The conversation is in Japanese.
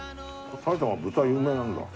埼玉豚有名なんだ。